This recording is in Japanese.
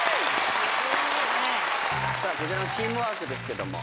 こちらのチームワークですけども。